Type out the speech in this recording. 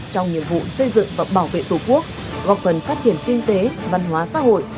trong nhiệm vụ xây dựng và bảo vệ tổ quốc góp phần phát triển kinh tế văn hóa xã hội